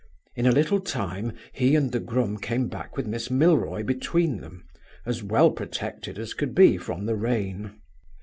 In a little time he and the groom came back with Miss Milroy between them, as well protected as could be from the rain.